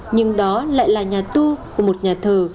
nhưng đó lại là nhà tu của một nhà thờ